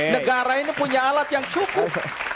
negara ini punya alat yang cukup